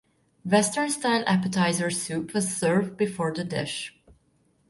Western-style appetizer soup was served before the dish.